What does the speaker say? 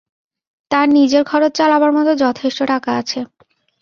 তাঁর নিজের খরচ চালাবার মত যথেষ্ট টাকা আছে।